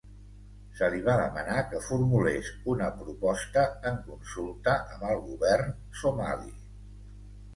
Se li va demanar que formulés una proposta en consulta amb el govern somali.